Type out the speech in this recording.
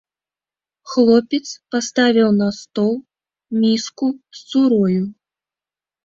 Хлопец паставіў на стол міску з цурою.